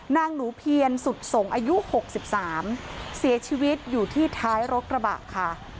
นางหนูเพียรสุดส่งอายุ๖๓เสียชีวิตอยู่ที่ท้ายรถกระบะค่ะ